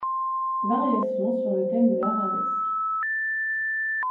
Variations sur le thème de l'arabesque.